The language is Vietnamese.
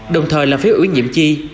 đồng thời làm phiếu ủy nhiệm chi